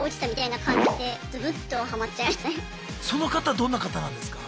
その方どんな方なんですか？